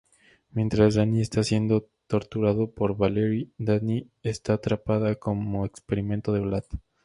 Mientras Danny está siendo torturado por Valerie, Dani está atrapada como experimento de Vlad.